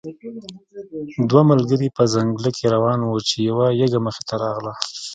دوه ملګري په ځنګل کې روان وو چې یو یږه مخې ته راغله.